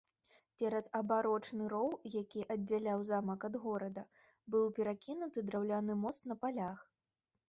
Цераз абарончы роў, які аддзяляў замак ад горада, быў перакінуты драўляны мост на палях.